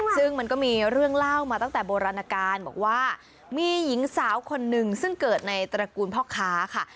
ซึ่งมันก็มีเรื่องเล่ามาตั้งแต่โบราณการบอกว่ามีหญิงสาวคนนึงซึ่งเกิดในตระกูลพ่อค้าค่ะ